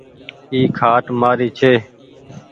اي کآٽ مآري ڇي۔